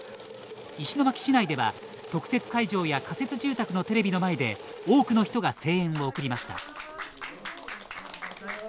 石巻市内では特設会場や仮設住宅のテレビの前で多くの人が声援を送りました。